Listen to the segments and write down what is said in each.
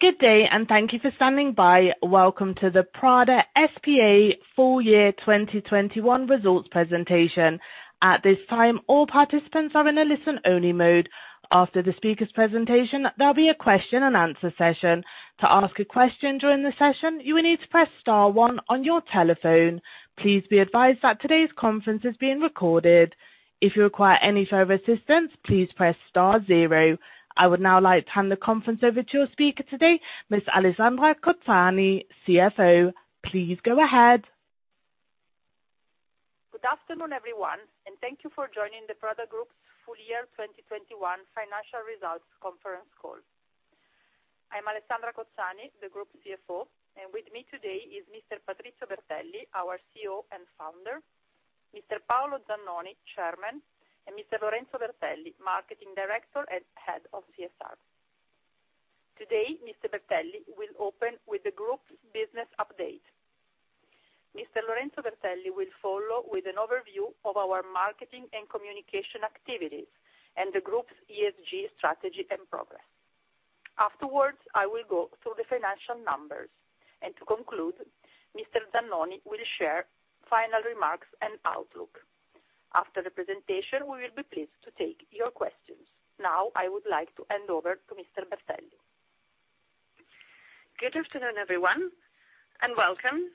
Good day, and thank you for standing by. Welcome to the Prada S.p.A. full year 2021 results presentation. At this time, all participants are in a listen-only mode. After the speaker's presentation, there'll be a question-and-answer session. To ask a question during the session, you will need to press star one on your telephone. Please be advised that today's conference is being recorded. If you require any further assistance, please press star zero. I would now like to hand the conference over to your speaker today, Ms. Alessandra Cozzani, CFO. Please go ahead. Good afternoon, everyone, and thank you for joining the Prada Group's full year 2021 financial results conference call. I'm Alessandra Cozzani, the group CFO, and with me today is Mr. Patrizio Bertelli, our CEO and founder, Mr. Paolo Zannoni, Chairman, and Mr. Lorenzo Bertelli, Marketing Director and Head of CSR. Today, Mr. Bertelli will open with the group's business update. Mr. Lorenzo Bertelli will follow with an overview of our marketing and communication activities and the group's ESG strategy and progress. Afterwards, I will go through the financial numbers, and to conclude, Mr. Zannoni will share final remarks and outlook. After the presentation, we will be pleased to take your questions. Now I would like to hand over to Mr. Bertelli. Good afternoon, everyone, and welcome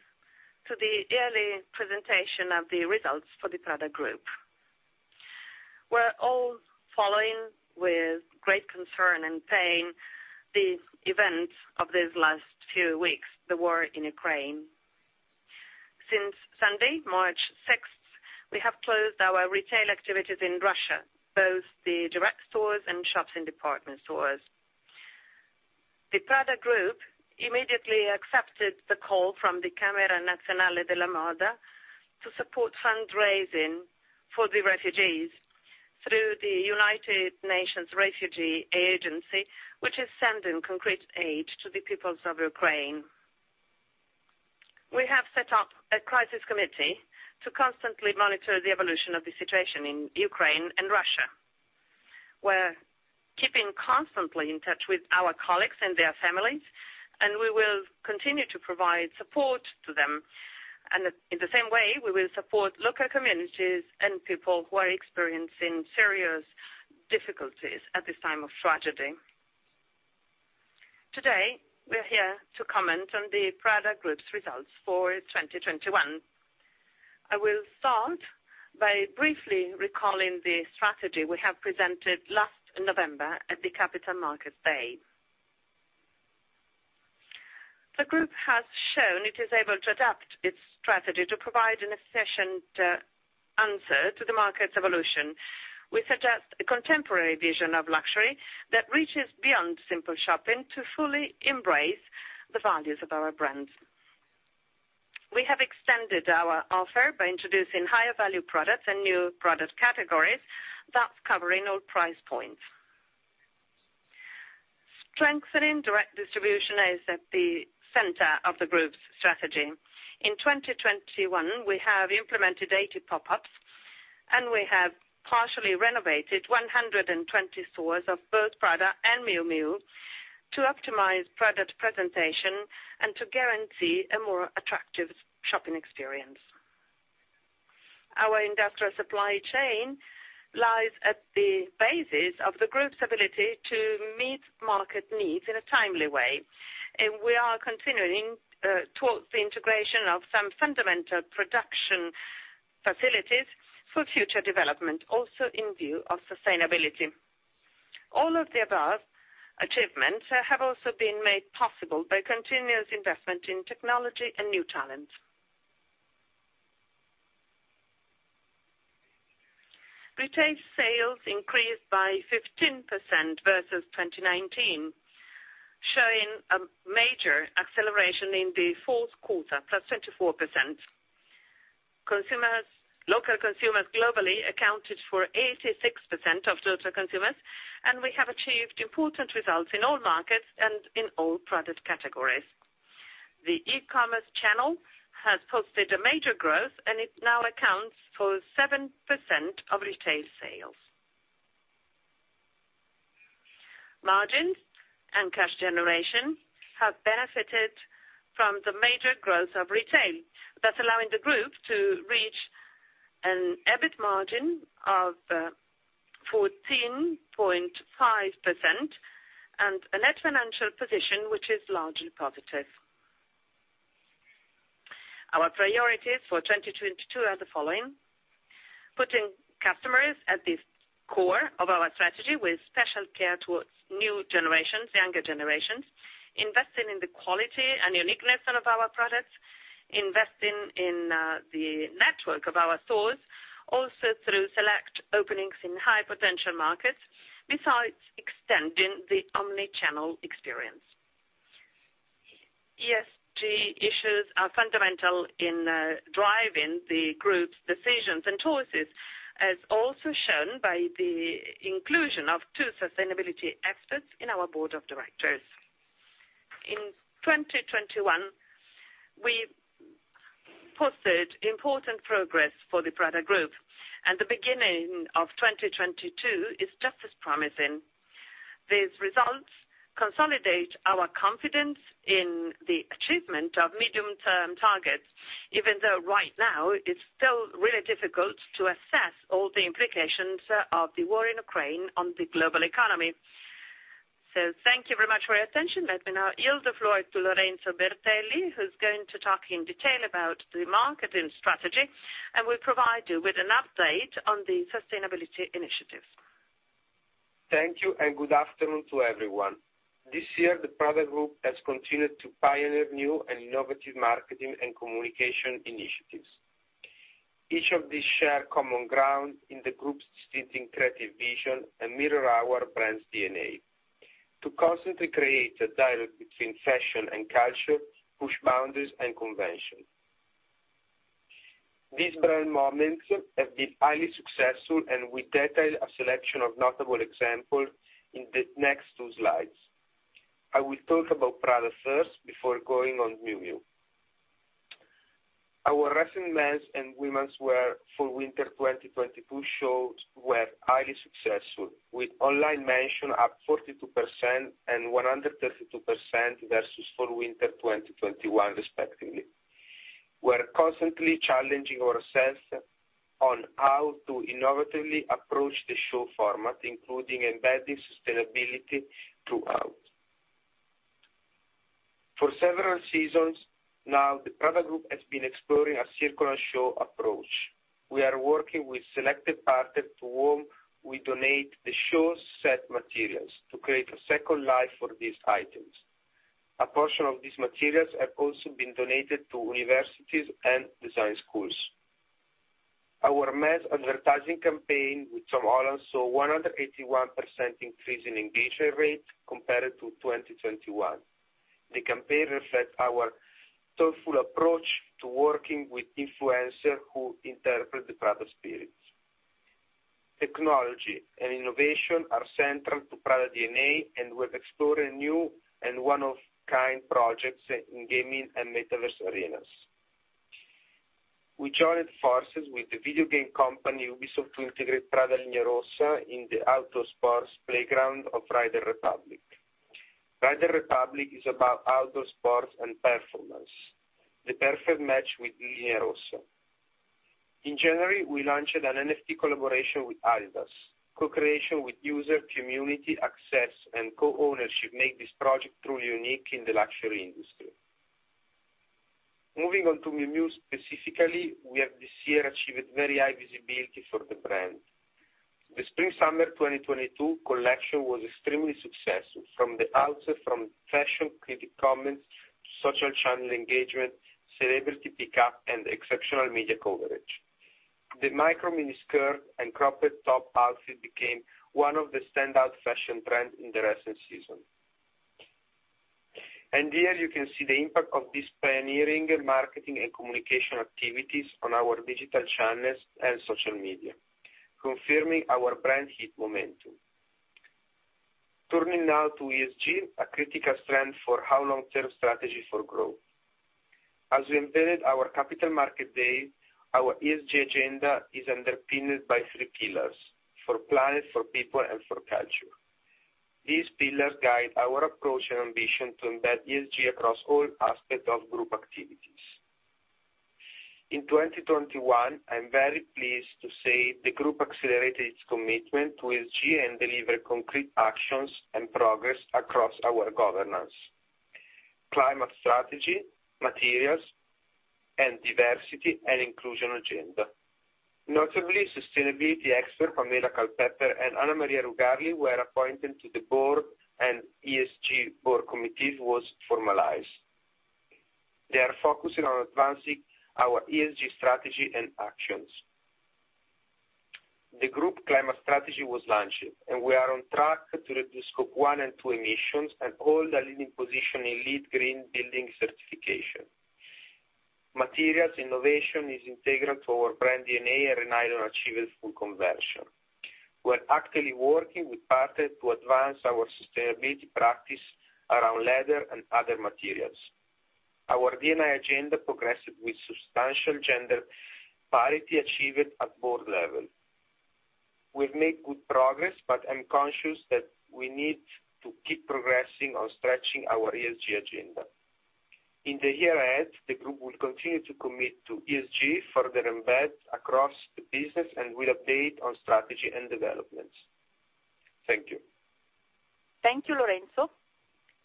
to the yearly presentation of the results for the Prada Group. We're all following with great concern and pain the events of these last few weeks, the war in Ukraine. Since Sunday, March sixth, we have closed our retail activities in Russia, both the direct stores and shops and department stores. The Prada Group immediately accepted the call from the Camera Nazionale della Moda to support fundraising for the refugees through the United Nations Refugee Agency, which is sending concrete aid to the peoples of Ukraine. We have set up a crisis committee to constantly monitor the evolution of the situation in Ukraine and Russia. We're keeping constantly in touch with our colleagues and their families, and we will continue to provide support to them. In the same way, we will support local communities and people who are experiencing serious difficulties at this time of tragedy. Today, we're here to comment on the Prada Group's results for 2021. I will start by briefly recalling the strategy we have presented last November at the Capital Markets Day. The group has shown it is able to adapt its strategy to provide an efficient answer to the market's evolution. We suggest a contemporary vision of luxury that reaches beyond simple shopping to fully embrace the values of our brands. We have extended our offer by introducing higher value products and new product categories thus covering all price points. Strengthening direct distribution is at the center of the group's strategy. In 2021, we have implemented 80 pop-ups, and we have partially renovated 120 stores of both Prada and Miu Miu to optimize product presentation and to guarantee a more attractive shopping experience. Our industrial supply chain lies at the basis of the group's ability to meet market needs in a timely way, and we are continuing towards the integration of some fundamental production facilities for future development, also in view of sustainability. All of the above achievements have also been made possible by continuous investment in technology and new talent. Retail sales increased by 15% versus 2019, showing a major acceleration in the fourth quarter, plus 24%. Local consumers globally accounted for 86% of total consumers, and we have achieved important results in all markets and in all product categories. The e-commerce channel has posted a major growth, and it now accounts for 7% of retail sales. Margins and cash generation have benefited from the major growth of retail, thus allowing the group to reach an EBIT margin of 14.5% and a net financial position which is largely positive. Our priorities for 2022 are the following, putting customers at the core of our strategy with special care towards new generations, younger generations, investing in the quality and uniqueness of our products, investing in the network of our stores, also through select openings in high-potential markets, besides extending the omnichannel experience. ESG issues are fundamental in driving the group's decisions and choices, as also shown by the inclusion of two sustainability experts in our board of directors. In 2021, we posted important progress for the Prada Group, and the beginning of 2022 is just as promising. These results consolidate our confidence in the achievement of medium-term targets, even though right now it's still really difficult to assess all the implications of the war in Ukraine on the global economy. Thank you very much for your attention. Let me now yield the floor to Lorenzo Bertelli, who's going to talk in detail about the marketing strategy, and will provide you with an update on the sustainability initiatives. Thank you, and good afternoon to everyone. This year, the Prada Group has continued to pioneer new and innovative marketing and communication initiatives. Each of these share common ground in the group's distinct creative vision and mirror our brand's DNA to constantly create a dialogue between fashion and culture, push boundaries and convention. These brand moments have been highly successful, and we detail a selection of notable example in the next two slides. I will talk about Prada first before going on Miu Miu. Our recent men's and womenswear for winter 2022 shows were highly successful, with online mention up 42% and 132% versus for winter 2021 respectively. We're constantly challenging ourselves on how to innovatively approach the show format, including embedding sustainability throughout. For several seasons now, the Prada Group has been exploring a circular show approach. We are working with selected partners to whom we donate the show's set materials to create a second life for these items. A portion of these materials have also been donated to universities and design schools. Our men's advertising campaign with Tom Holland saw 181% increase in engagement rate compared to 2021. The campaign reflect our thoughtful approach to working with influencers who interpret the Prada spirit. Technology and innovation are central to Prada DNA, and we're exploring new and one-of-a-kind projects in gaming and metaverse arenas. We joined forces with the video game company Ubisoft to integrate Prada Linea Rossa in the outdoor sports playground of Riders Republic. Riders Republic is about outdoor sports and performance, the perfect match with Linea Rossa. In January, we launched an NFT collaboration with Adidas. Co-creation with user community access and co-ownership make this project truly unique in the luxury industry. Moving on to Miu Miu specifically, we have this year achieved very high visibility for the brand. The spring/summer 2022 collection was extremely successful from the outset, from fashion critic comments to social channel engagement, celebrity pickup, and exceptional media coverage. The micro mini skirt and cropped top outfit became one of the standout fashion trends in the recent season. Here you can see the impact of these pioneering marketing and communication activities on our digital channels and social media, confirming our brand heat momentum. Turning now to ESG, a critical strength for our long-term strategy for growth. As we embedded our Capital Markets Day, our ESG agenda is underpinned by three pillars for planet, for people, and for culture. These pillars guide our approach and ambition to embed ESG across all aspects of group activities. In 2021, I'm very pleased to say the group accelerated its commitment to ESG and delivered concrete actions and progress across our governance, climate strategy, materials, and diversity and inclusion agenda. Notably, sustainability expert Pamela Culpepper and Anna Maria Rugarli were appointed to the board, and ESG board committee was formalized. They are focusing on advancing our ESG strategy and actions. The group climate strategy was launched, and we are on track to reduce scope one and two emissions and hold a leading position in LEED green building certification. Materials innovation is integral to our brand DNA with an eye on achieving full conversion. We're actively working with partners to advance our sustainability practice around leather and other materials. Our D&I agenda progressed with substantial gender parity achieved at board level. We've made good progress, but I'm conscious that we need to keep progressing on stretching our ESG agenda. In the year ahead, the group will continue to commit to ESG, further embed across the business and will update on strategy and developments. Thank you. Thank you, Lorenzo.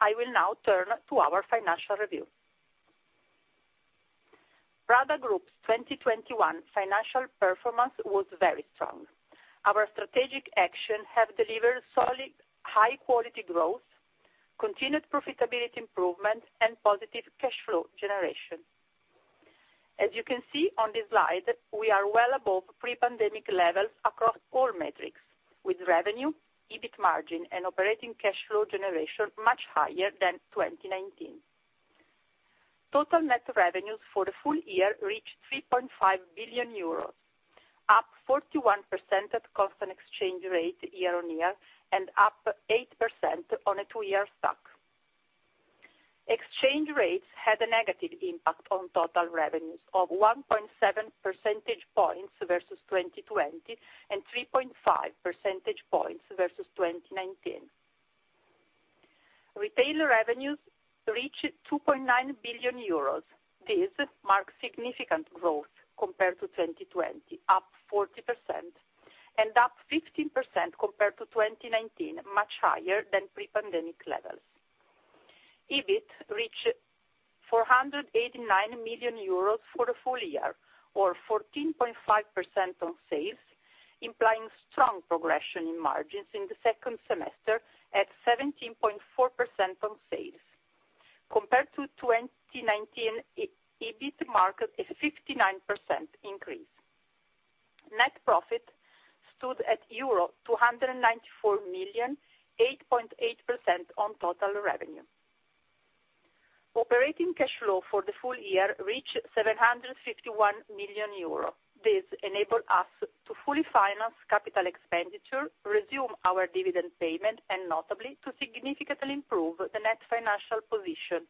I will now turn to our financial review. Prada Group's 2021 financial performance was very strong. Our strategic action have delivered solid, high-quality growth, continued profitability improvement, and positive cash flow generation. As you can see on this slide, we are well above pre-pandemic levels across all metrics, with revenue, EBIT margin, and operating cash flow generation much higher than 2019. Total net revenues for the full year reached 3.5 billion euros, up 41% at constant exchange rates year-on-year, and up 8% on a two-year stack. Exchange rates had a negative impact on total revenues of 1.7 percentage points versus 2020, and 3.5 percentage points versus 2019. Retail revenues reached 2.9 billion euros. This marked significant growth compared to 2020, up 40%, and up 15% compared to 2019, much higher than pre-pandemic levels. EBIT reached 489 million euros for the full year, or 14.5% on sales, implying strong progression in margins in the second semester at 17.4% on sales. Compared to 2019, EBIT marked a 59% increase. Net profit stood at euro 294 million, 8.8% on total revenue. Operating cash flow for the full year reached 751 million euro. This enabled us to fully finance capital expenditure, resume our dividend payment, and notably, to significantly improve the net financial position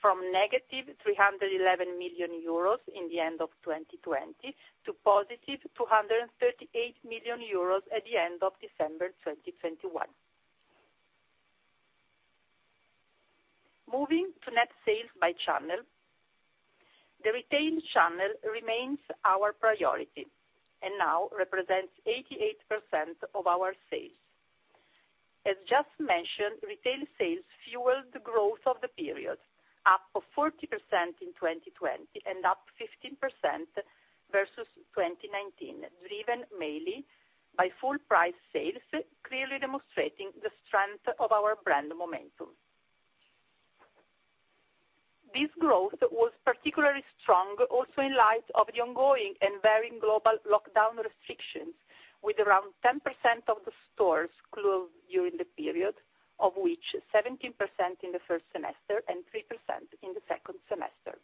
from -311 million euros at the end of 2020 to 238 million euros at the end of December 2021. Moving to net sales by channel, the retail channel remains our priority and now represents 88% of our sales. As just mentioned, retail sales fueled the growth of the period, up 40% in 2020 and up 15% versus 2019, driven mainly by full price sales, clearly demonstrating the strength of our brand momentum. This growth was particularly strong also in light of the ongoing and varying global lockdown restrictions, with around 10% of the stores closed during the period, of which 17% in the first semester and 3% in the second semester.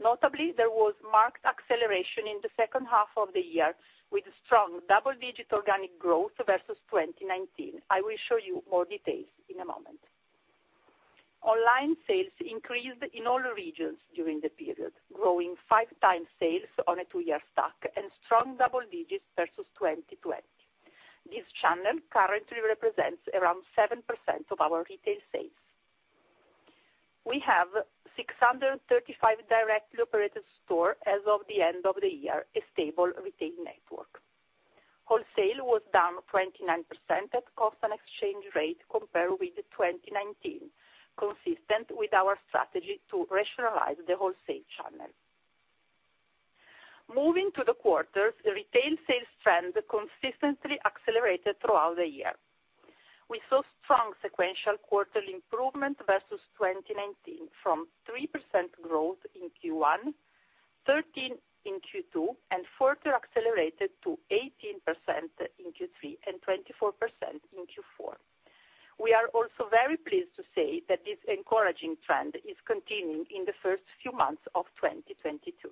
Notably, there was marked acceleration in the second half of the year with strong double-digit organic growth versus 2019. I will show you more details in a moment. Online sales increased in all regions during the period, growing 5 times sales on a two-year stack and strong double digits versus 2020. This channel currently represents around 7% of our retail sales. We have 635 directly operated stores as of the end of the year, a stable retail network. Wholesale was down 29% at cost and exchange rate compared with 2019, consistent with our strategy to rationalize the wholesale channel. Moving to the quarters, the retail sales trend consistently accelerated throughout the year. We saw strong sequential quarterly improvement versus 2019 from 3% growth in Q1, 13% in Q2, and further accelerated to 18% in Q3 and 24% in Q4. We are also very pleased to say that this encouraging trend is continuing in the first few months of 2022.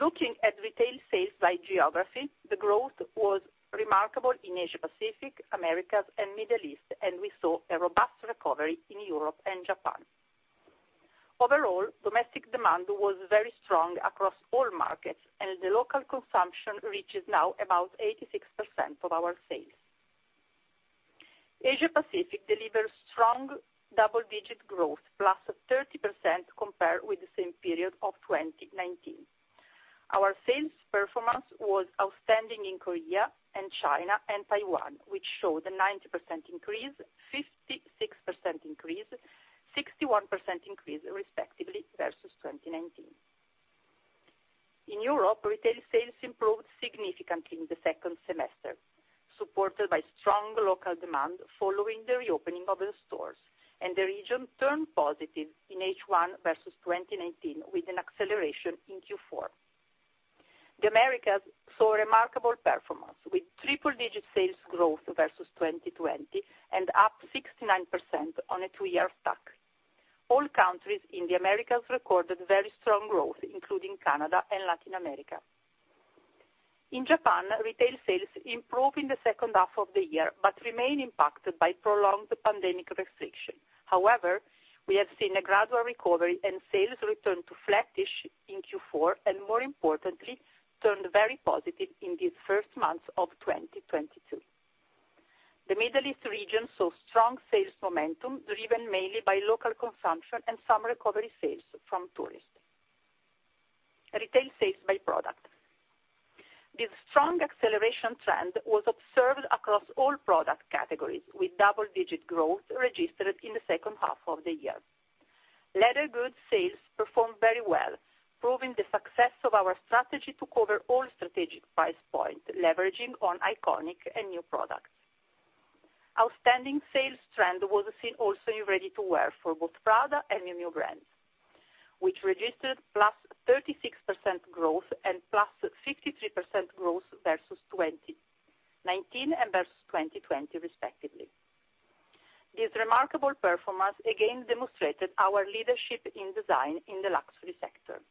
Looking at retail sales by geography, the growth was remarkable in Asia Pacific, Americas and Middle East, and we saw a robust recovery in Europe and Japan. Overall, domestic demand was very strong across all markets and the local consumption reaches now about 86% of our sales. Asia Pacific delivers strong double-digit growth, +30% compared with the same period of 2019. Our sales performance was outstanding in Korea and China and Taiwan, which showed a 90% increase, 56% increase, 61% increase respectively versus 2019. In Europe, retail sales improved significantly in the second semester, supported by strong local demand following the reopening of the stores, and the region turned positive in H1 versus 2019 with an acceleration in Q4. The Americas saw remarkable performance with triple-digit sales growth versus 2020 and up 69% on a two-year stack. All countries in the Americas recorded very strong growth, including Canada and Latin America. In Japan, retail sales improved in the second half of the year, but remain impacted by prolonged pandemic restriction. However, we have seen a gradual recovery and sales return to flattish in Q4, and more importantly, turned very positive in these first months of 2022. The Middle East region saw strong sales momentum, driven mainly by local consumption and some recovery sales from tourists. Retail sales by product. This strong acceleration trend was observed across all product categories, with double-digit growth registered in the second half of the year. Leather goods sales performed very well, proving the success of our strategy to cover all strategic price point, leveraging on iconic and new products. Outstanding sales trend was seen also in ready-to-wear for both Prada and Miu Miu brands, which registered +36% growth and +63% growth versus 2019 and versus 2020 respectively. This remarkable performance again demonstrated our leadership in design in the luxury sector.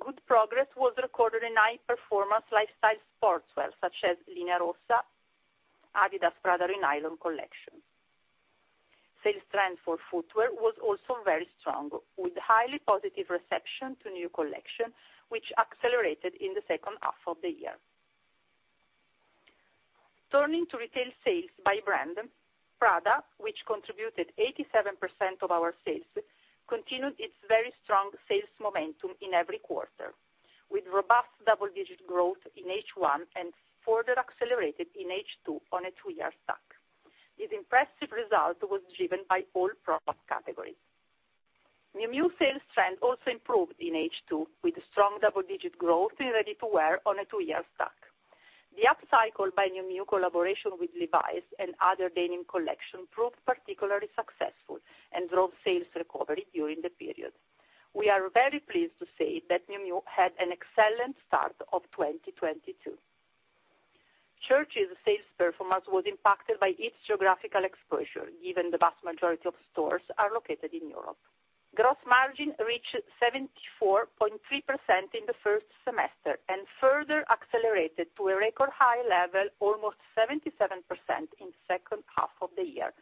Good progress was recorded in high performance lifestyle sportswear such as Linea Rossa, Adidas for Prada Re-Nylon. Sales trend for footwear was also very strong, with highly positive reception to new collection, which accelerated in the second half of the year. Turning to retail sales by brand, Prada, which contributed 87% of our sales, continued its very strong sales momentum in every quarter, with robust double-digit growth in H1 and further accelerated in H2 on a two-year stack. This impressive result was driven by all product categories. Miu Miu sales trend also improved in H2, with strong double-digit growth in ready-to-wear on a two-year stack. The upcycle by Miu Miu collaboration with Levi's and other denim collection proved particularly successful and drove sales recovery during the period. We are very pleased to say that Miu Miu had an excellent start of 2022. Church's sales performance was impacted by its geographical exposure, given the vast majority of stores are located in Europe. Gross margin reached 74.3% in the first semester and further accelerated to a record high level, almost 77% in the second half of the year,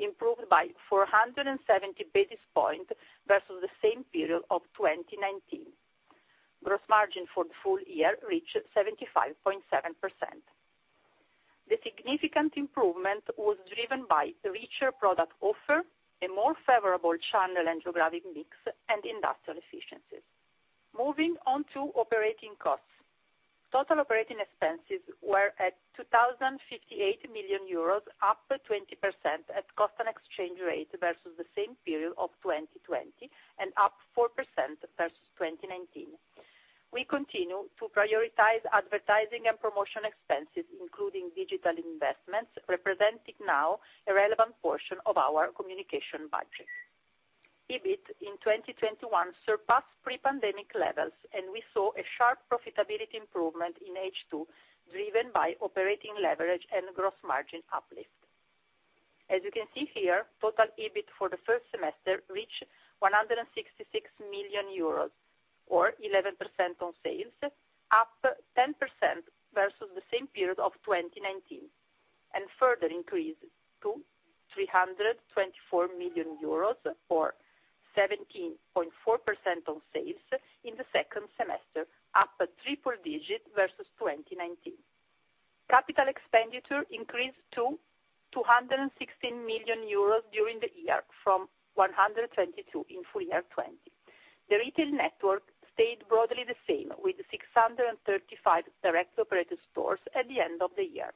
improved by 470 basis points versus the same period of 2019. Gross margin for the full year reached 75.7%. The significant improvement was driven by the richer product offer, a more favorable channel and geographic mix, and industrial efficiencies. Moving on to operating costs. Total operating expenses were 2,058 million euros, up 20% at constant exchange rates versus the same period of 2020, and up 4% versus 2019. We continue to prioritize advertising and promotion expenses, including digital investments, representing now a relevant portion of our communication budget. EBIT in 2021 surpassed pre-pandemic levels, and we saw a sharp profitability improvement in H2, driven by operating leverage and gross margin uplift. As you can see here, total EBIT for the first semester reached 166 million euros or 11% on sales, up 10% versus the same period of 2019, and further increased to 324 million euros or 17.4% on sales in the second semester, up triple-digit versus 2019. Capital expenditure increased to 216 million euros during the year from 122 in full year 2020. The retail network stayed broadly the same, with 635 directly operated stores at the end of the year.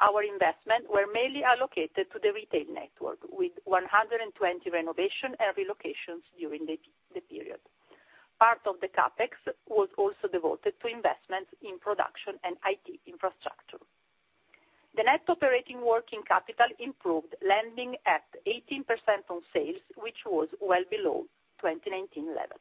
Our investment were mainly allocated to the retail network, with 120 renovations and relocations during the period. Part of the CapEx was also devoted to investments in production and IT infrastructure. The net operating working capital improved, landing at 18% on sales, which was well below 2019 level.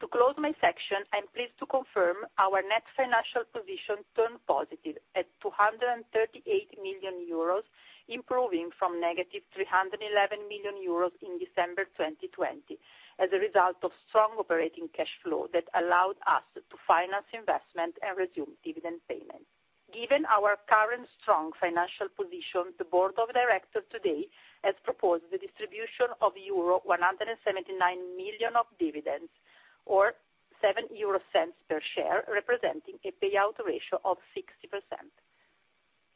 To close my section, I'm pleased to confirm our net financial position turned positive at 238 million euros, improving from negative 311 million euros in December 2020, as a result of strong operating cash flow that allowed us to finance investment and resume dividend payments. Given our current strong financial position, the board of directors today has proposed the distribution of euro 179 million of dividends or 0.07 per share, representing a payout ratio of 60%.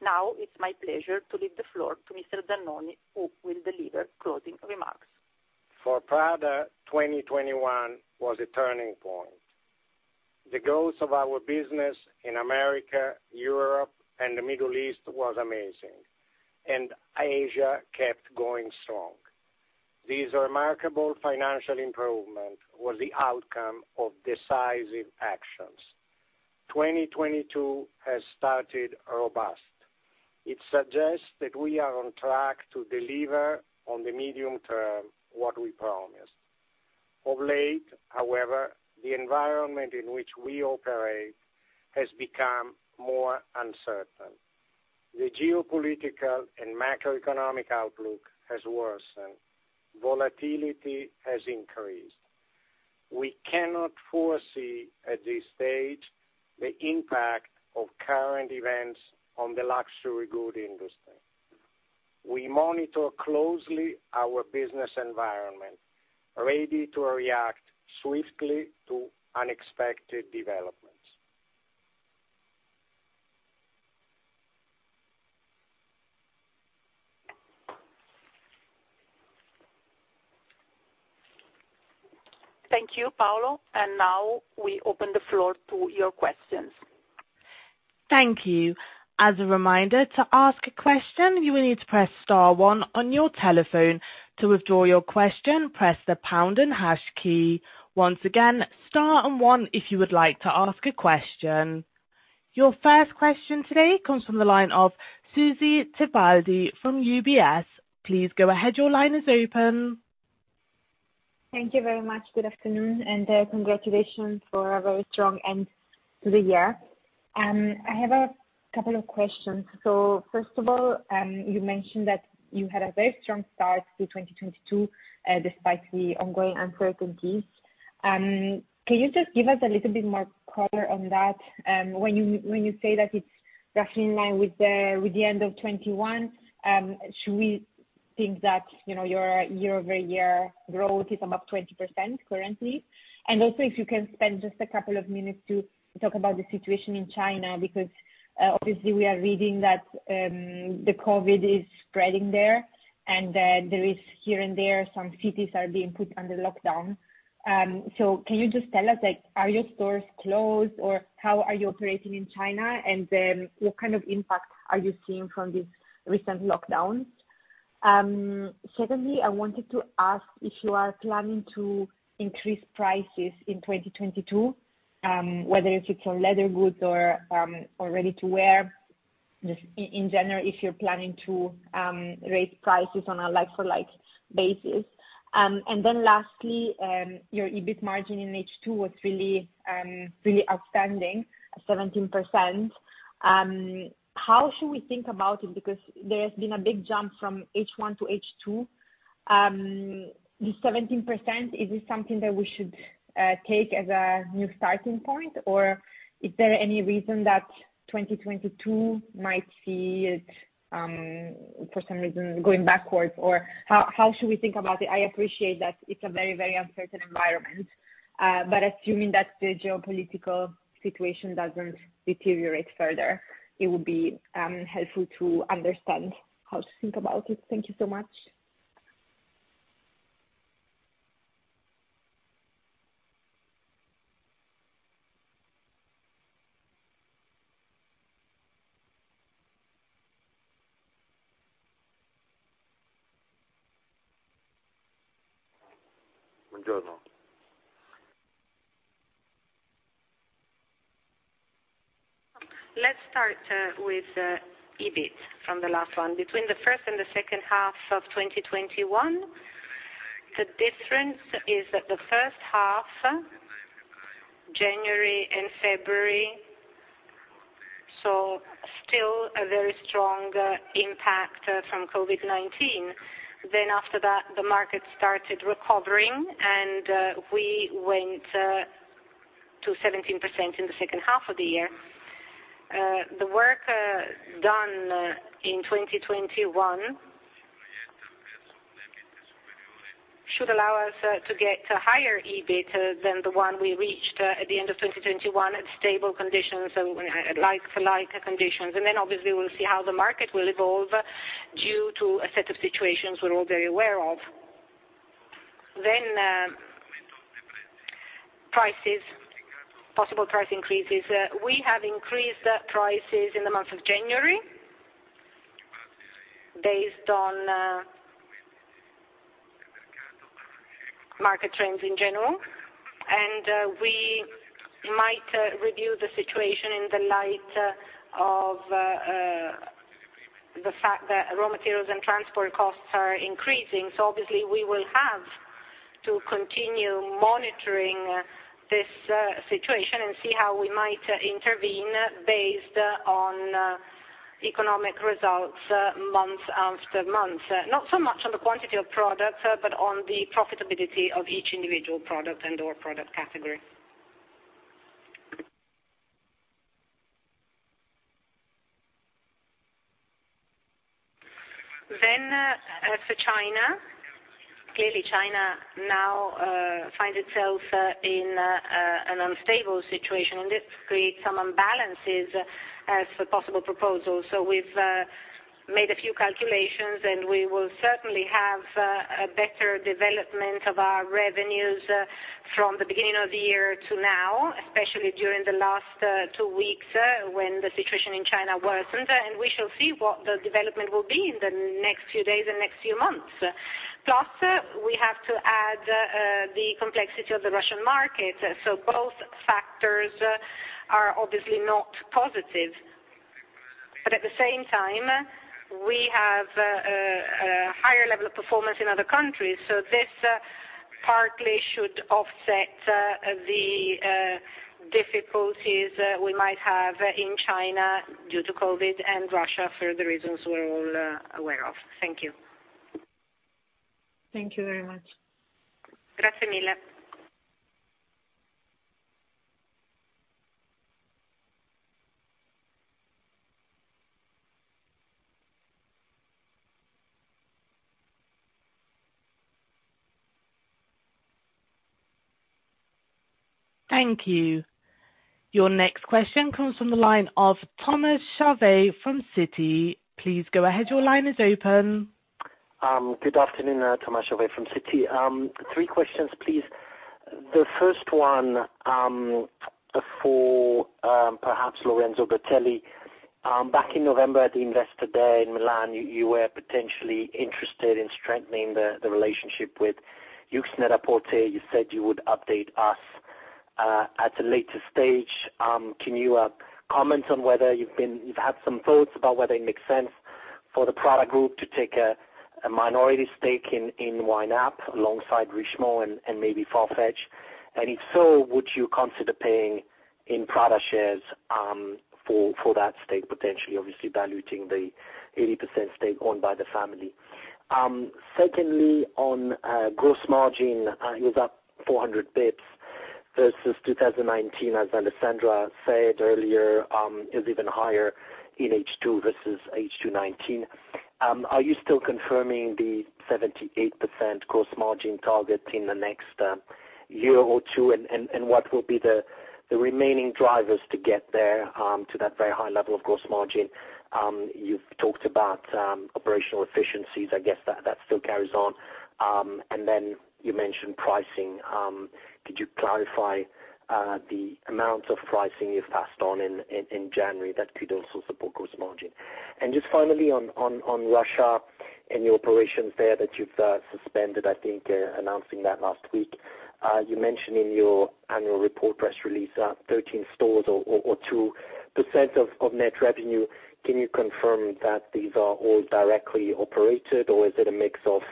Now it's my pleasure to leave the floor to Mr. Zannoni, who will deliver closing remarks. For Prada, 2021 was a turning point. The growth of our business in America, Europe, and the Middle East was amazing, and Asia kept going strong. This remarkable financial improvement was the outcome of decisive actions. 2022 has started robust. It suggests that we are on track to deliver on the medium term what we promised. Of late, however, the environment in which we operate has become more uncertain. The geopolitical and macroeconomic outlook has worsened. Volatility has increased. We cannot foresee at this stage the impact of current events on the luxury goods industry. We monitor closely our business environment, ready to react swiftly to unexpected developments. Thank you, Paolo, and now we open the floor to your questions. Thank you. As a reminder, to ask a question, you will need to press star one on your telephone. To withdraw your question, press the pound and hash key. Once again, star and one if you would like to ask a question. Your first question today comes from the line of Susy Tibaldi from UBS. Please go ahead, your line is open. Thank you very much. Good afternoon, and congratulations for a very strong end to the year. I have a couple of questions. First of all, you mentioned that you had a very strong start to 2022, despite the ongoing uncertainties. Can you just give us a little bit more color on that? When you say that it's roughly in line with the end of 2021, should we think that, you know, your year-over-year growth is about 20% currently? Also if you can spend just a couple of minutes to talk about the situation in China, because obviously we are reading that the COVID is spreading there, and there is here and there, some cities are being put under lockdown. Can you just tell us, like, are your stores closed, or how are you operating in China? What kind of impact are you seeing from these recent lockdowns? Secondly, I wanted to ask if you are planning to increase prices in 2022, whether if it's on leather goods or ready-to-wear, just in general, if you're planning to raise prices on a like-for-like basis. Lastly, your EBIT margin in H2 was really outstanding, 17%. How should we think about it? Because there's been a big jump from H1 to H2. This 17%, is this something that we should take as a new starting point, or is there any reason that 2022 might see it, for some reason, going backwards? Or how should we think about it? I appreciate that it's a very, very uncertain environment, but assuming that the geopolitical situation doesn't deteriorate further, it would be helpful to understand how to think about it. Thank you so much. Let's start with EBIT from the last one. Between the first and the second half of 2021, the difference is that the first half, January and February, so still a very strong impact from COVID-19. After that, the market started recovering, and we went to 17% in the second half of the year. The work done in 2021 should allow us to get higher EBIT than the one we reached at the end of 2021 at stable conditions and like for like conditions. Obviously we'll see how the market will evolve due to a set of situations we're all very aware of. Prices, possible price increases. We have increased prices in the month of January based on market trends in general. We might review the situation in the light of the fact that raw materials and transport costs are increasing. Obviously we will have to continue monitoring this situation and see how we might intervene based on economic results month after month. Not so much on the quantity of product, but on the profitability of each individual product and/or product category. As for China, clearly China now finds itself in an unstable situation, and this creates some imbalances as for possible proposals. We've made a few calculations, and we will certainly have a better development of our revenues from the beginning of the year to now, especially during the last two weeks, when the situation in China worsened. We shall see what the development will be in the next few days and next few months. Plus, we have to add the complexity of the Russian market. Both factors are obviously not positive. But at the same time, we have a higher level of performance in other countries, so this partly should offset the difficulties we might have in China due to COVID and Russia for the reasons we're all aware of. Thank you. Thank you very much. Grazie mille. Thank you. Your next question comes from the line of Thomas Chauvet from Citi. Please go ahead, your line is open. Good afternoon. Thomas Chauvet from Citi. Three questions, please. The first one for perhaps Lorenzo Bertelli. Back in November at the Investor Day in Milan, you were potentially interested in strengthening the relationship with Yoox Net-a-Porter. You said you would update us at a later stage. Can you comment on whether you've had some thoughts about whether it makes sense for the Prada Group to take a minority stake in YNAP alongside Richemont and maybe Farfetch. If so, would you consider paying in Prada shares for that stake potentially, obviously diluting the 80% stake owned by the family. Secondly, on gross margin, it was up 400 basis points versus 2019, as Alessandra said earlier, is even higher in H2 versus H2 2019. Are you still confirming the 78% gross margin target in the next year or two? What will be the remaining drivers to get there to that very high level of gross margin? You've talked about operational efficiencies. I guess that still carries on. Then you mentioned pricing. Could you clarify the amount of pricing you've passed on in January that could also support gross margin? Just finally on Russia and your operations there that you've suspended, I think, announcing that last week. You mentioned in your annual report press release 13 stores or 2% of net revenue. Can you confirm that these are all directly operated, or is it a mix of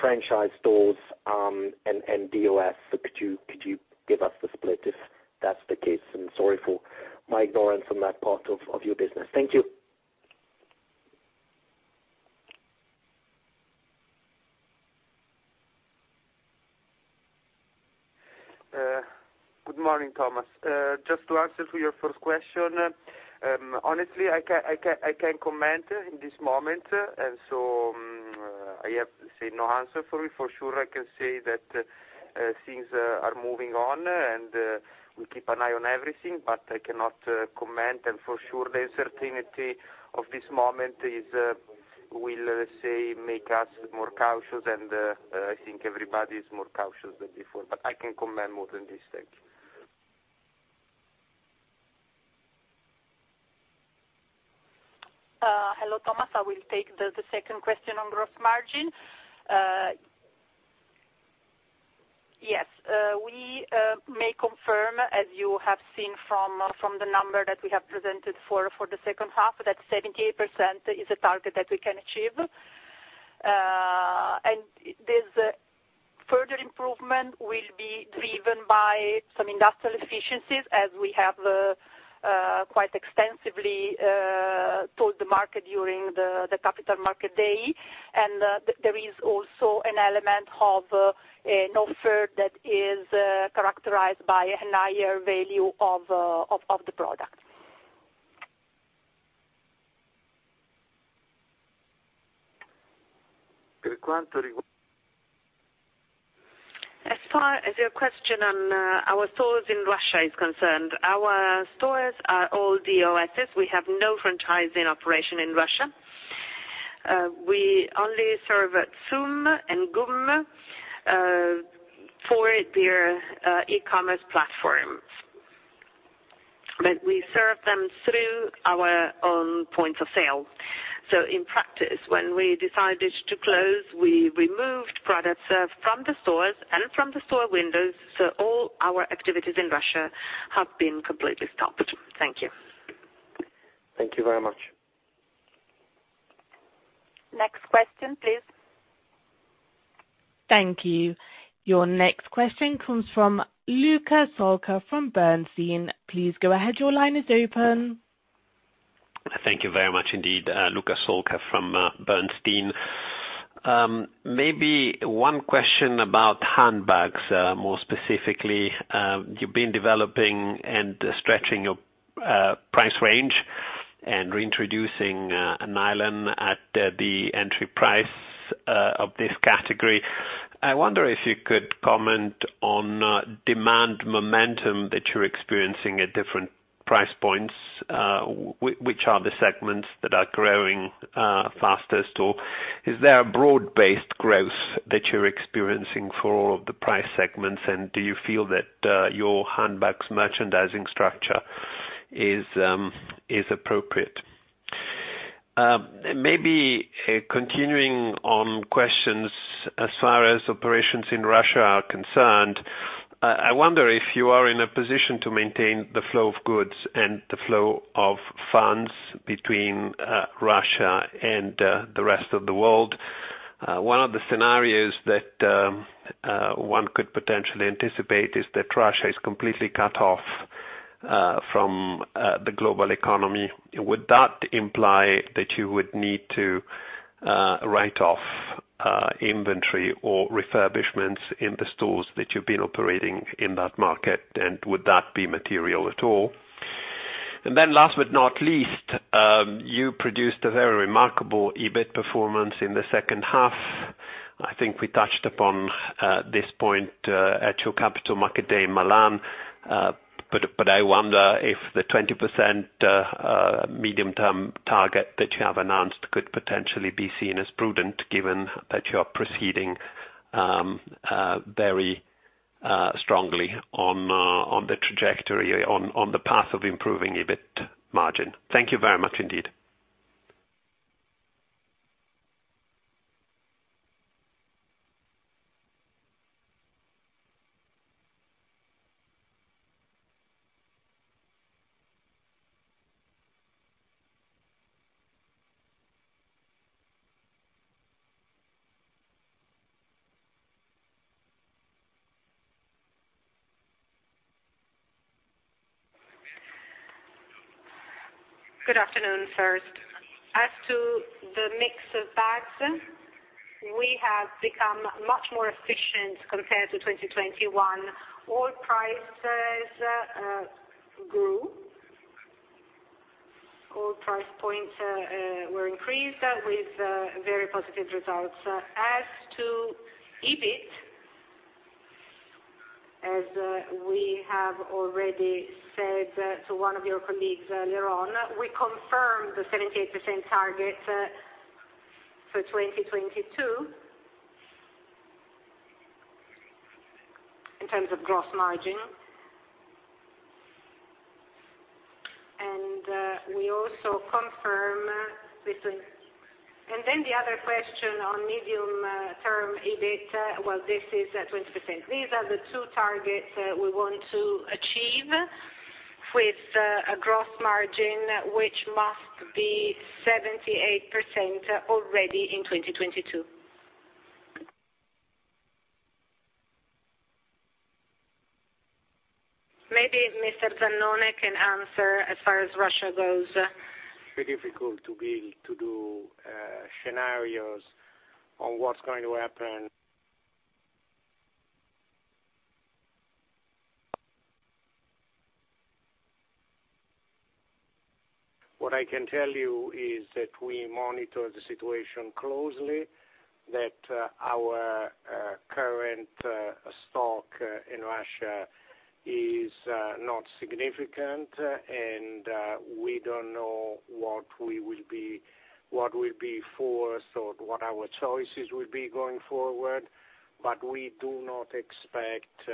franchise stores and DOS? Could you give us the split if that's the case? Sorry for my ignorance on that part of your business. Thank you. Good morning, Thomas. Just to answer your first question. Honestly, I can't comment in this moment, so I have to say no answer for it. For sure, I can say that things are moving on, and we keep an eye on everything, but I cannot comment. For sure, the uncertainty of this moment will make us more cautious. I think everybody is more cautious than before, but I can't comment more than this. Thank you. Hello, Thomas. I will take the second question on gross margin. Yes, we may confirm, as you have seen from the number that we have presented for the second half, that 78% is a target that we can achieve. Further improvement will be driven by some industrial efficiencies, as we have quite extensively told the market during the Capital Markets Day. There is also an element of an offer that is characterized by a higher value of the product. As far as your question on our stores in Russia is concerned, our stores are all DOSes. We have no franchise in operation in Russia. We only serve at TSUM and GUM for their e-commerce platforms. We serve them through our own points of sale. In practice, when we decided to close, we removed products from the stores and from the store windows. All our activities in Russia have been completely stopped. Thank you. Thank you very much. Next question, please. Thank you. Your next question comes from Luca Solca from Bernstein. Please go ahead. Your line is open. Thank you very much indeed. Luca Solca from Bernstein. Maybe one question about handbags, more specifically. You've been developing and stretching your price range and introducing nylon at the entry price of this category. I wonder if you could comment on demand momentum that you're experiencing at different price points. Which are the segments that are growing fastest, or is there a broad-based growth that you're experiencing for all of the price segments? Do you feel that your handbags merchandising structure is appropriate? Maybe continuing on questions as far as operations in Russia are concerned. I wonder if you are in a position to maintain the flow of goods and the flow of funds between Russia and the rest of the world. One of the scenarios that one could potentially anticipate is that Russia is completely cut off from the global economy. Would that imply that you would need to write off inventory or refurbishments in the stores that you've been operating in that market? Would that be material at all? Last but not least, you produced a very remarkable EBIT performance in the second half. I think we touched upon this point at your Capital Markets Day in Milan. I wonder if the 20% medium-term target that you have announced could potentially be seen as prudent given that you are proceeding very Strongly on the trajectory, on the path of improving EBIT margin. Thank you very much indeed. Good afternoon. First, as to the mix of bags, we have become much more efficient compared to 2021. All prices grew. All price points were increased with very positive results. As to EBIT, we have already said to one of your colleagues earlier on, we confirm the 78% target for 2022 in terms of gross margin. We also confirm the other question on medium-term EBIT. Well, this is at 20%. These are the two targets that we want to achieve with a gross margin, which must be 78% already in 2022. Maybe Mr. Paolo Zannoni can answer as far as Russia goes. pretty difficult to do scenarios on what's going to happen. What I can tell you is that we monitor the situation closely, that our current stock in Russia is not significant, and we don't know what will be for us or what our choices will be going forward. We do not expect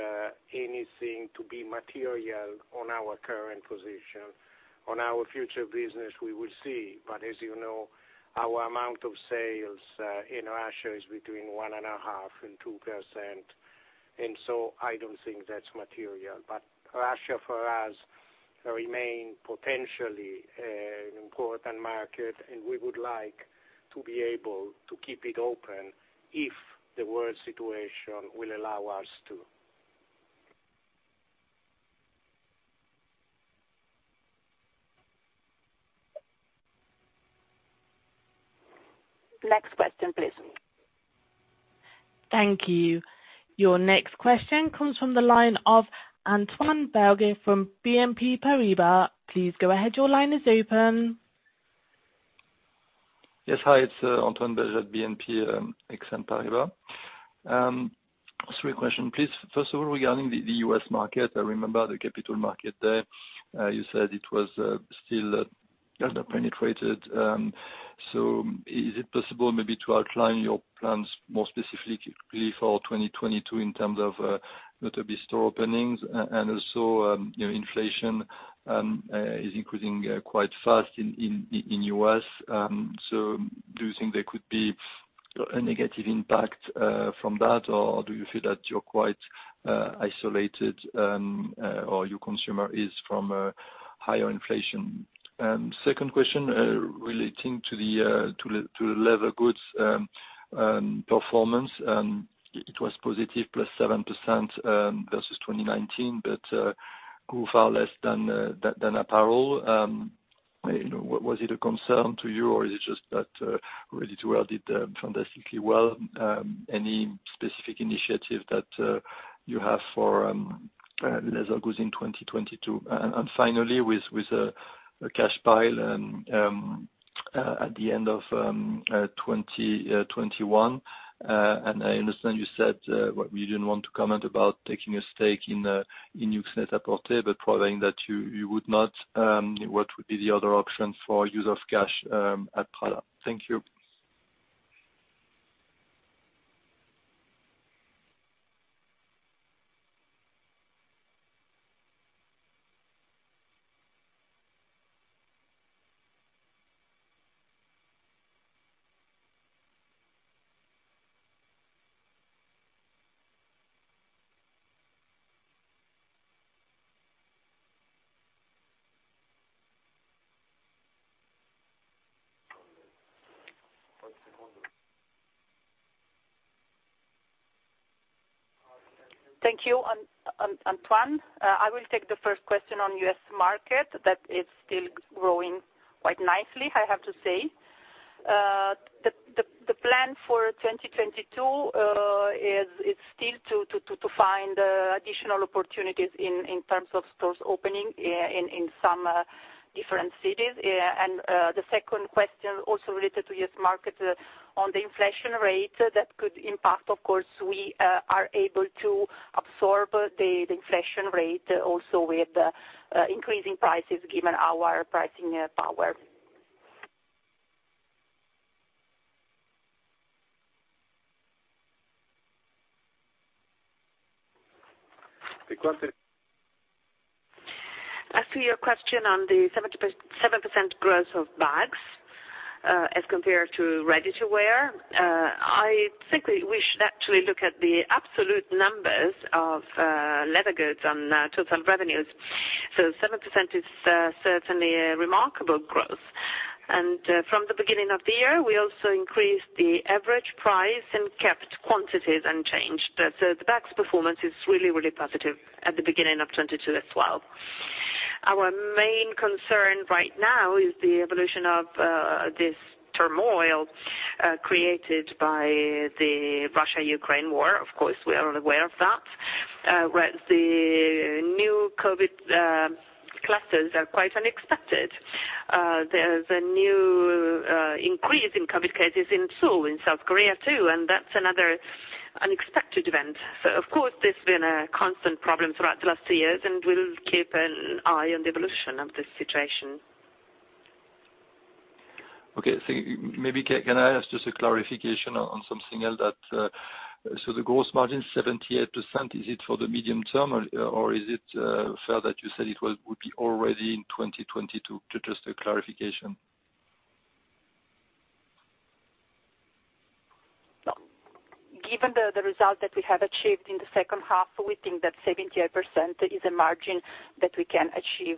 anything to be material on our current position. On our future business, we will see. As you know, our amount of sales in Russia is between 1.5% and 2%, and so I don't think that's material. Russia, for us, remain potentially an important market, and we would like to be able to keep it open if the world situation will allow us to. Next question, please. Thank you. Your next question comes from the line of Antoine Belge from BNP Paribas. Please go ahead. Your line is open. Yes, hi. It's Antoine Belge at BNP Paribas, Exane BNP Paribas. Three questions, please. First of all, regarding the U.S. market, I remember the Capital Markets Day. You said it was still underpenetrated. So is it possible maybe to outline your plans more specifically for 2022 in terms of not only store openings and also you know inflation is increasing quite fast in U.S. So do you think there could be a negative impact from that, or do you feel that you're quite isolated or your consumer is from higher inflation? Second question relating to the leather goods performance. It was positive, +7% versus 2019 but grew far less than apparel. You know, was it a concern to you, or is it just that ready-to-wear did fantastically well? Any specific initiative that you have for leather goods in 2022? And finally, with a cash pile at the end of 2021, and I understand you said what you didn't want to comment about taking a stake in Yoox Net-a-Porter, but providing that you would not, what would be the other option for use of cash at Prada? Thank you. Thank you, Antoine. I will take the first question on U.S. market, that it's still growing quite nicely, I have to say. The plan for 2022 is it's still to find additional opportunities in terms of stores opening in some different cities. The second question also related to U.S. market on the inflation rate that could impact, of course, we are able to absorb the inflation rate also with increasing prices given our pricing power. As to your question on the 77% growth of bags, as compared to ready-to-wear, I think we should actually look at the absolute numbers of leather goods on total revenues. 7% is certainly a remarkable growth. From the beginning of the year, we also increased the average price and kept quantities unchanged. The bags performance is really positive at the beginning of 2022 as well. Our main concern right now is the evolution of this turmoil created by the Russia-Ukraine war. Of course, we are aware of that. Whereas the new COVID clusters are quite unexpected. There's a new increase in COVID cases in Seoul, in South Korea too, and that's another unexpected event. Of course, there's been a constant problem throughout the last two years, and we'll keep an eye on the evolution of this situation. Okay. Maybe I can ask just a clarification on something else that. The gross margin 78%, is it for the medium term or is it fair that you said it would be already in 2022? Just a clarification. Given the results that we have achieved in the second half, we think that 78% is a margin that we can achieve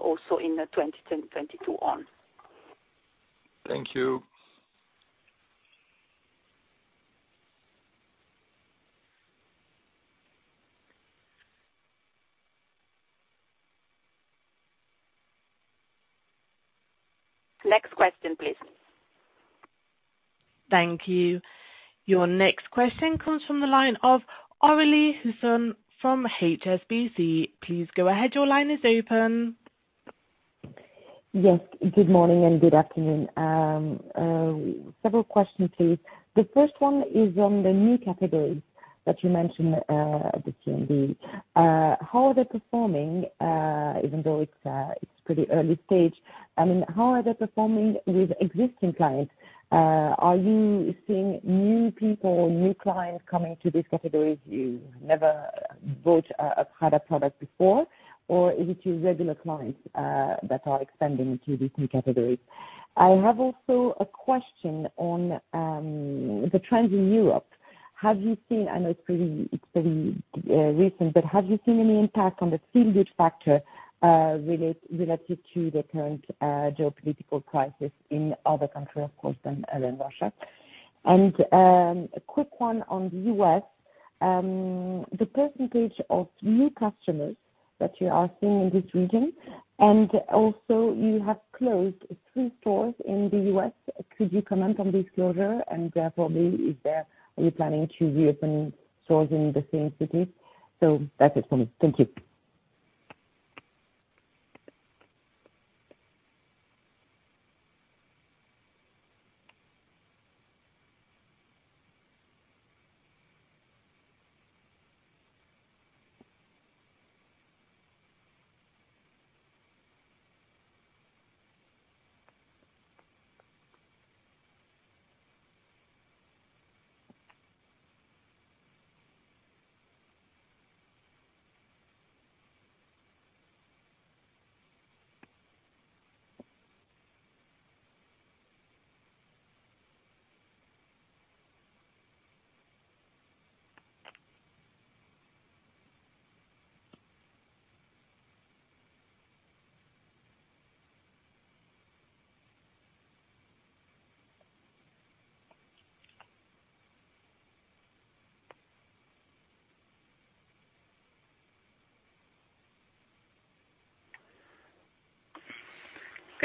also in the 2022 on. Thank you. Next question, please. Thank you. Your next question comes from the line of Erwan Rambourg from HSBC. Please go ahead. Your line is open. Yes. Good morning and good afternoon. Several questions, please. The first one is on the new categories that you mentioned at the CMD. How are they performing, even though it's pretty early stage? I mean, how are they performing with existing clients? Are you seeing new people, new clients coming to these categories who never bought a Prada product before? Or is it your regular clients that are expanding into these new categories? I have also a question on the trends in Europe. Have you seen, I know it's pretty recent, but have you seen any impact on the same-good factor related to the current geopolitical crisis in other countries, of course, other than Russia? A quick one on the U.S., the percentage of new customers that you are seeing in this region, and also you have closed three stores in the U.S. Could you comment on this closure and therefore maybe are you planning to reopen stores in the same cities? That's it for me. Thank you.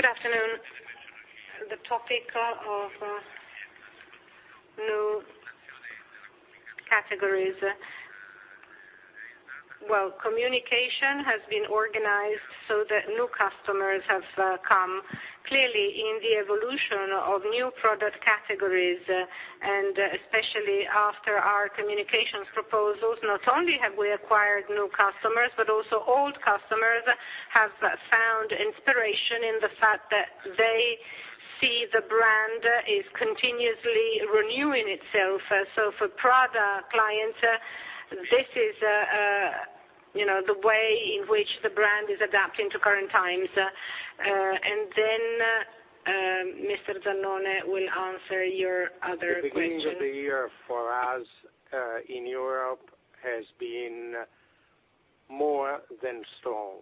Good afternoon. The topic of new categories. Well, communication has been organized so that new customers have come clearly in the evolution of new product categories, and especially after our communications proposals, not only have we acquired new customers, but also old customers have found inspiration in the fact that they see the brand is continuously renewing itself. For Prada clients, this is, you know, the way in which the brand is adapting to current times. Mr. Zannoni will answer your other question. The beginnings of the year for us, in Europe has been more than strong.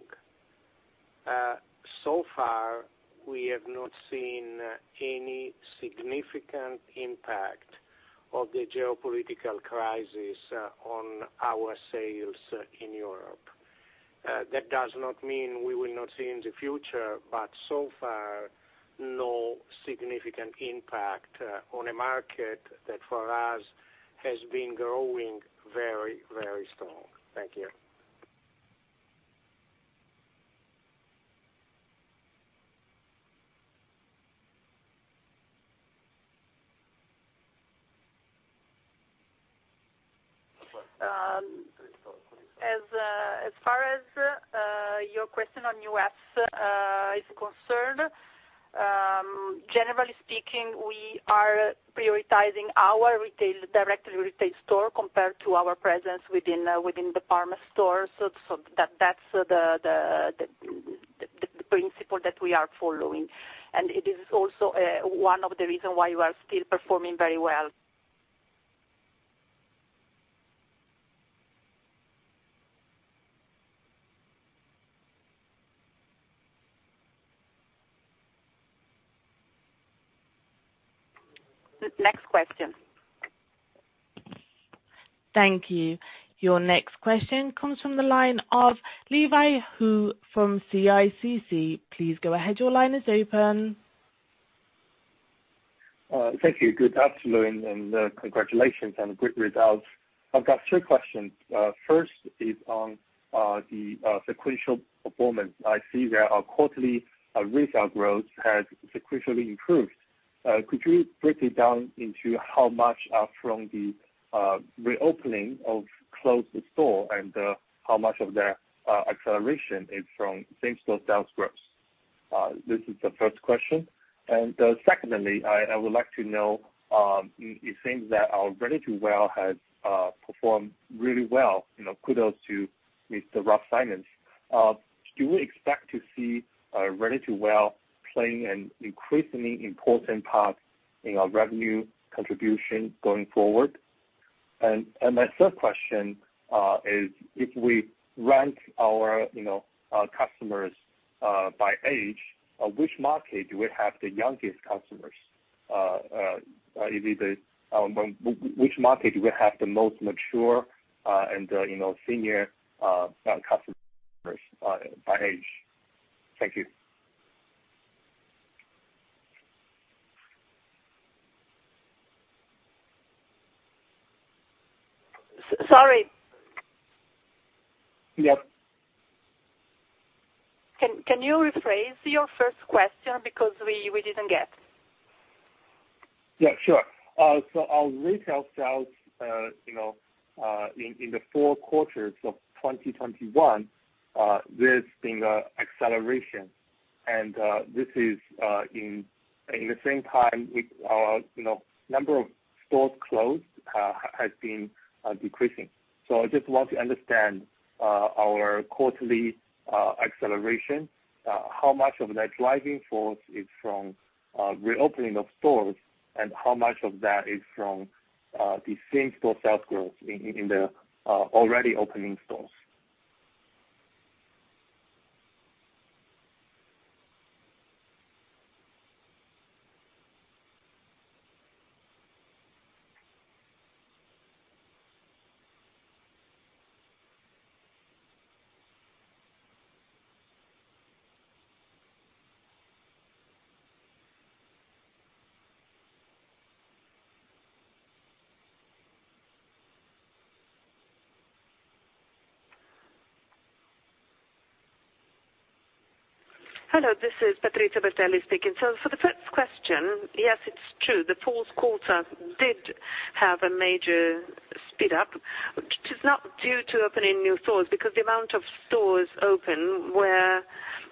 So far, we have not seen any significant impact of the geopolitical crisis on our sales in Europe. That does not mean we will not see in the future, but so far, no significant impact on a market that, for us, has been growing very, very strong. Thank you. As far as your question on U.S. is concerned, generally speaking, we are prioritizing our direct retail store compared to our presence within the department stores. That's the principle that we are following. It is also one of the reason why we are still performing very well. Next question. Thank you. Your next question comes from the line of Levi Hu from CICC. Please go ahead. Your line is open. Thank you. Good afternoon, and congratulations on the great results. I've got three questions. First is on the sequential performance. I see that our quarterly retail growth has sequentially improved. Could you break it down into how much are from the reopening of closed store and how much of that acceleration is from same-store sales growth? This is the first question. Secondly, I would like to know, it seems that our ready-to-wear has performed really well. You know, kudos to Mr. Raf Simons. Do you expect to see ready-to-wear playing an increasingly important part in our revenue contribution going forward? My third question is if we rank our, you know, our customers by age, which market do we have the youngest customers? Either the... Which market do we have the most mature, and, you know, senior, customers by age? Thank you. S-sorry. Yep. Can you rephrase your first question? Because we didn't get. Yeah, sure. Our retail sales, you know, in the 4 quarters of 2021, there's been an acceleration, and this is at the same time as our, you know, number of stores closed has been decreasing. I just want to understand our quarterly acceleration, how much of that driving force is from reopening of stores and how much of that is from the same-store sales growth in the already open stores. Hello, this is Patrizio Bertelli speaking. For the first question, yes, it's true, the fourth quarter did have a major speed up, which is not due to opening new stores because the amount of stores open were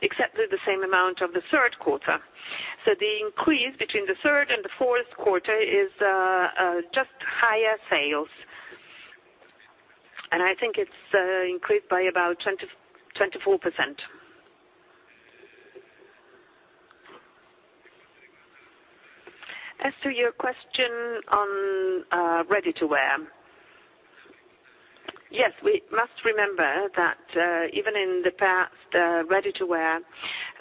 exactly the same amount of the third quarter. The increase between the third and the fourth quarter is just higher sales. I think it's increased by about 20%-24%. As to your question on ready-to-wear. Yes, we must remember that even in the past, ready-to-wear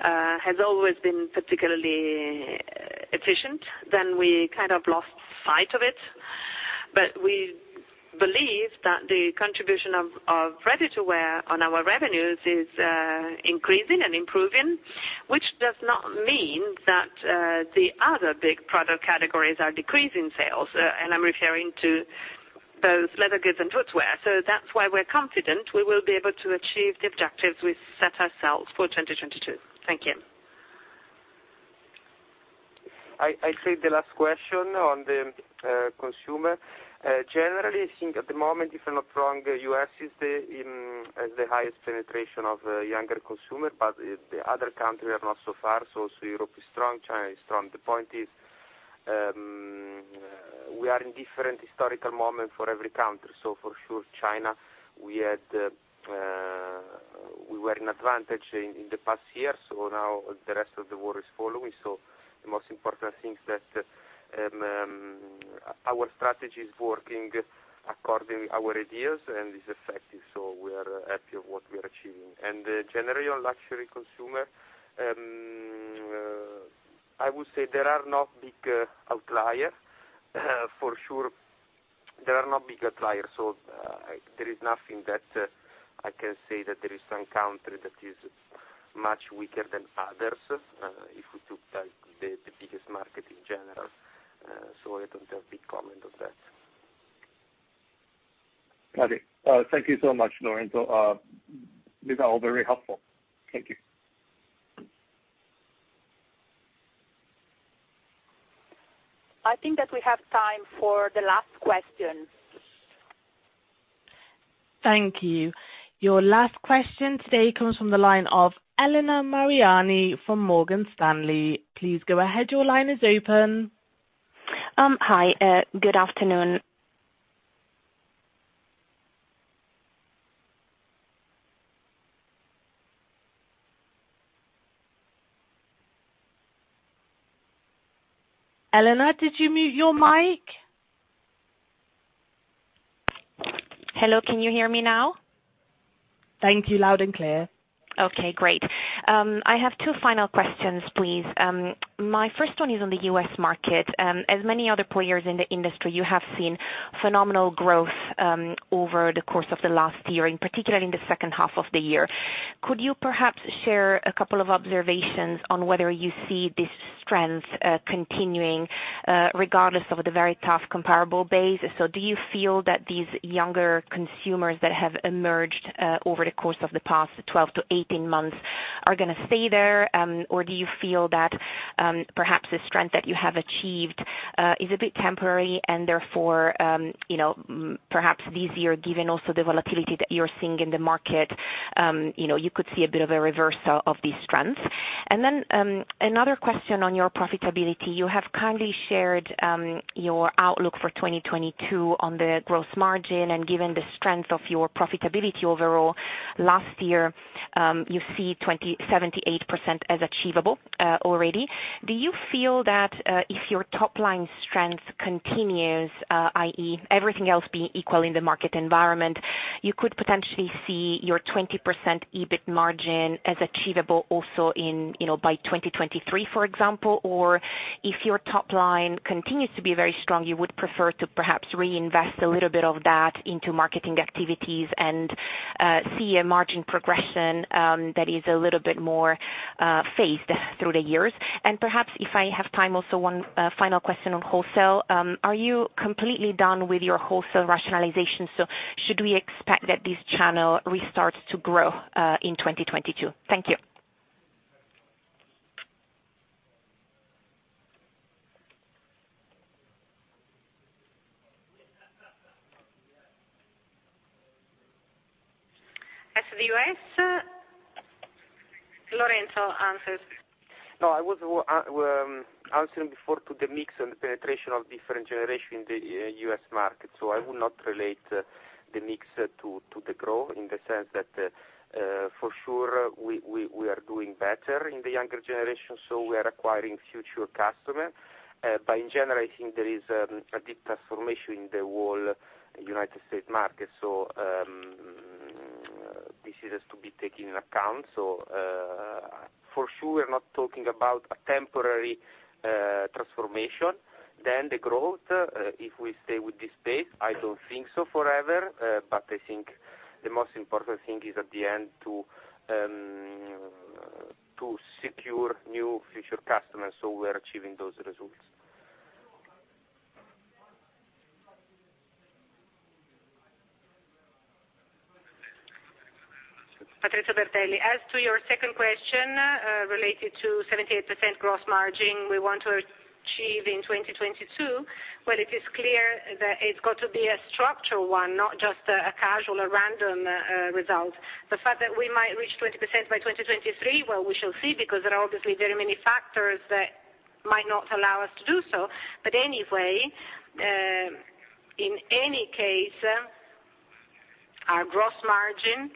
has always been particularly efficient, then we kind of lost sight of it. We believe that the contribution of ready-to-wear on our revenues is increasing and improving, which does not mean that the other big product categories are decreasing sales, and I'm referring to those leather goods and footwear. That's why we're confident we will be able to achieve the objectives we set ourselves for 2022. Thank you. I take the last question on the consumer. Generally, I think at the moment, if I'm not wrong, U.S. has the highest penetration of younger consumer, but the other country are not so far. Europe is strong, China is strong. The point is, we are in different historical moment for every country. For sure, China, we were in advantage in the past year, so now the rest of the world is following. The most important thing is that our strategy is working according to our ideas and is effective, so we are happy of what we are achieving. Generally, on luxury consumer, I would say there are no big outlier. For sure, there are no big outlier, so there is nothing that I can say that there is some country that is much weaker than others, if we took like the biggest market in general, so I don't have big comment on that. Got it. Thank you so much, Lorenzo. These are all very helpful. Thank you. I think that we have time for the last question. Thank you. Your last question today comes from the line of Elena Mariani from Morgan Stanley. Please go ahead. Your line is open. Hi, good afternoon. Elena, did you mute your mic? Hello, can you hear me now? Thank you. Loud and clear. Okay, great. I have two final questions please. My first one is on the U.S. market. As many other players in the industry, you have seen phenomenal growth, over the course of the last year, and particularly in the second half of the year. Could you perhaps share a couple of observations on whether you see these trends continuing, regardless of the very tough comparable base? Do you feel that these younger consumers that have emerged, over the course of the past 12 to 18 months are gonna stay there? Do you feel that, perhaps the strength that you have achieved, is a bit temporary and therefore, you know, perhaps this year, given also the volatility that you are seeing in the market, you know, you could see a bit of a reversal of these trends? Another question on your profitability. You have kindly shared your outlook for 2022 on the gross margin, and given the strength of your profitability overall last year, you see 78% as achievable already. Do you feel that if your top line strength continues, i.e., everything else being equal in the market environment, you could potentially see your 20% EBIT margin as achievable also in, you know, by 2023, for example? Or if your top line continues to be very strong, you would prefer to perhaps reinvest a little bit of that into marketing activities and see a margin progression that is a little bit more phased through the years? Perhaps if I have time, also one final question on wholesale. Are you completely done with your wholesale rationalization? Should we expect that this channel restarts to grow in 2022? Thank you. As to the U.S., Lorenzo answers. No, I was answering before to the mix and the penetration of different generation in the U.S. market. I would not relate the mix to the growth in the sense that for sure we are doing better in the younger generation, so we are acquiring future customer. In general, I think there is a big transformation in the whole United States market, this is to be taken in account. We're not talking about a temporary transformation. The growth, if we stay with this pace, I don't think so forever. I think the most important thing is at the end to secure new future customers, so we're achieving those results. Patrizio Bertelli. As to your second question, related to 78% gross margin we want to achieve in 2022, well it is clear that it's got to be a structural one, not just a casual or random result. The fact that we might reach 20% by 2023, well, we shall see, because there are obviously very many factors that might not allow us to do so. But anyway, in any case, our gross margin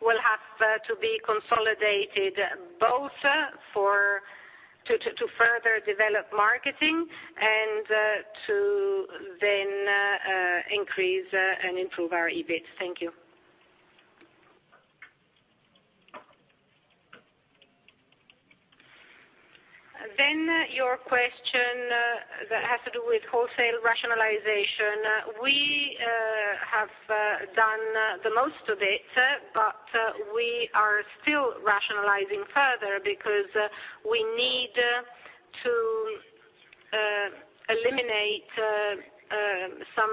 will have to be consolidated both to further develop marketing and to then increase and improve our EBIT. Thank you. Your question that has to do with wholesale rationalization. We have done the most of it, but we are still rationalizing further because we need to eliminate some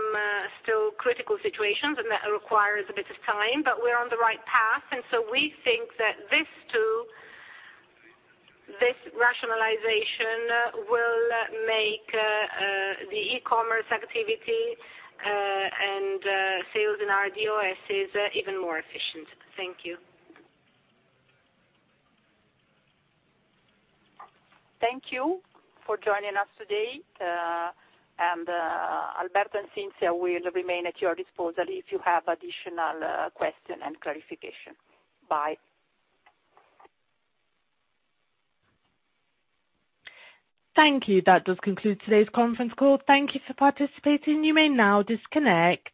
still critical situations, and that requires a bit of time, but we're on the right path. We think that this too, this rationalization will make the e-commerce activity and sales in our DOSs even more efficient. Thank you. Thank you for joining us today. Alberto and Cinzia will remain at your disposal if you have additional question and clarification. Bye. Thank you. That does conclude today's conference call. Thank you for participating. You may now disconnect.